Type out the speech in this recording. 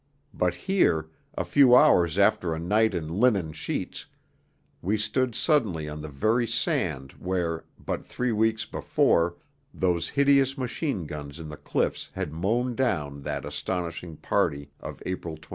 But here, a few hours after a night in linen sheets, we stood suddenly on the very sand where, but three weeks before, those hideous machine guns in the cliffs had mown down that astonishing party of April 25.